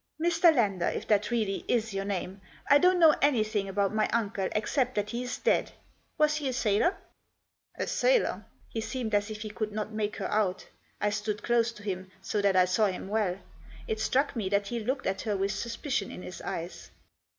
" Mr. Lander, if that really is your name, I don't know anything about my uncle, except that he is dead. Was he a sailor ?"" A sailor ?" He seemed as if he could not make her out. I stood close to him, so that I saw him well ; it struck me that he looked at her with suspicion in his eyes.